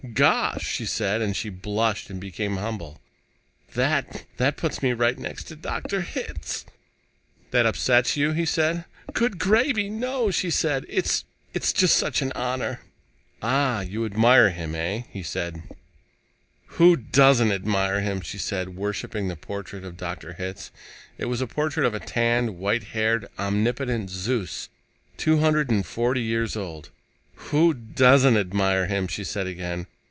"Gosh " she said, and she blushed and became humble "that that puts me right next to Dr. Hitz." "That upsets you?" he said. "Good gravy, no!" she said. "It's it's just such an honor." "Ah, You... you admire him, eh?" he said. "Who doesn't admire him?" she said, worshiping the portrait of Hitz. It was the portrait of a tanned, white haired, omnipotent Zeus, two hundred and forty years old. "Who doesn't admire him?" she said again.